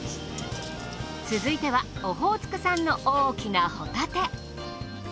続いてはオホーツク産の大きなホタテ。